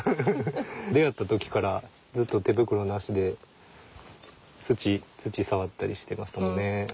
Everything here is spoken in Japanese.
出会った時からずっと手袋なしで土触ったりしてましたもんね。